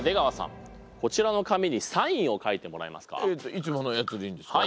いつものやつでいいんですか？